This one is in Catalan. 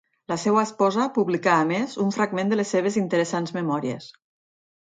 La seva esposa publicà a més un fragment de les seves interessants memòries.